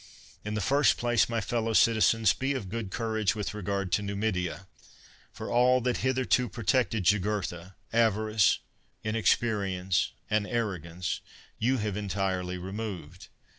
In the first place, my fellow citizens, be of good courage with regard to Numidia; for all that hitherto protected Jugurtha, avarice, inexpe rience, and arrogance, you have entirely removed.